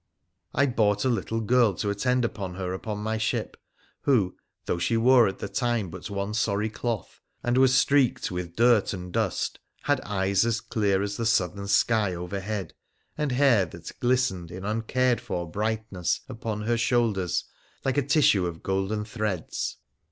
I bought a little girl to attend upon her upon my ship, who, though she wore at the time but one sorry cloth, and was streaked with dirt and dust, had eyes clear as the southern sky over head, and hair that £.':':„:"'.:;..'".,.....".,.,,. on PHRA THE PHOENICIAN 9 her shoulders like a tissue of golden threads.